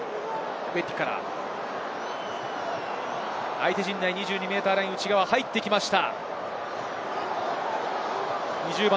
相手陣内、２２ｍラインの内側に入ってきました。